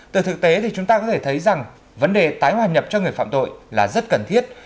từ thực tế thì chúng ta có thể thấy rằng vấn đề tái hòa nhập cho người phạm tội là rất cần thiết